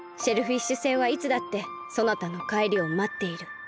シェルフィッシュ星はいつだってそなたのかえりをまっている。